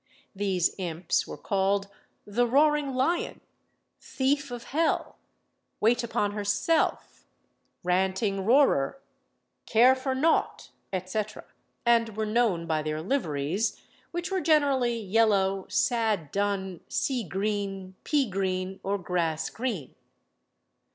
These imps were called, "The Roaring Lion," "Thief of Hell," "Wait upon Herself," "Ranting Roarer," "Care for Naught," &c., and were known by their liveries, which were generally yellow, sad dun, sea green, pea green, or grass green.